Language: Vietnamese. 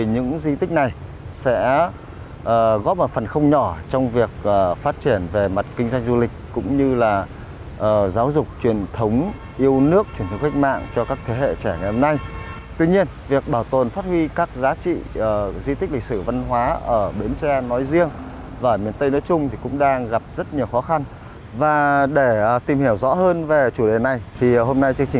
những di tích này thì vừa đẹp về mặt kiến trúc mà lại vừa phản ánh các giá trị lịch sử của một vùng đất mới giàu truyền theo quý vị